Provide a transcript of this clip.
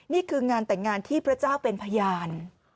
นี่คืองานแต่งงานที่พระเจ้าเป็นพยาน